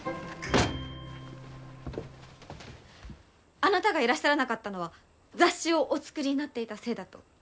あなたがいらっしゃらなかったのは雑誌をお作りになっていたせいだと。